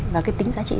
và cái tính giá trị